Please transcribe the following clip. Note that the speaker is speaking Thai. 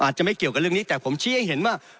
อาจจะไม่เกี่ยวกับเรื่องนี้แต่ผมชี้ให้เห็นว่า